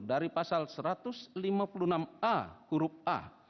dari pasal satu ratus lima puluh enam a huruf a